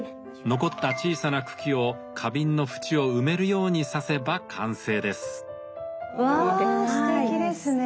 残った小さな茎を花瓶の縁を埋めるように挿せば完成です。